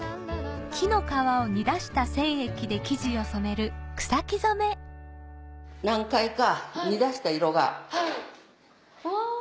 木の皮を煮出した染液で生地を染める何回か煮出した色が。うわ！